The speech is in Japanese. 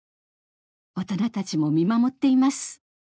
大人たちも見守っています。